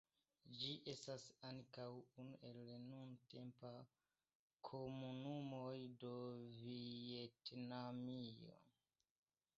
Ĝi estas ankaŭ unu el la nuntempa komunumoj de Vjetnamio.